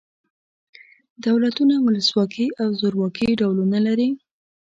دولتونه ولس واکي او زورواکي ډولونه لري.